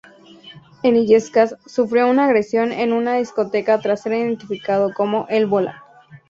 En Illescas sufrió una agresión en una discoteca tras ser identificado como "El Bola".